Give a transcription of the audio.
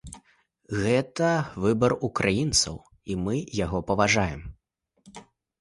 Гэта выбар украінцаў, і мы яго паважаем.